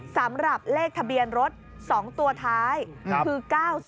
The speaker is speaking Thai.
สำหรับเลขทะเบียนรถ๒ตัวท้ายคือ๙๐